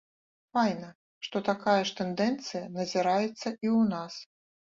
Файна, што такая ж тэндэнцыя назіраецца і ў нас.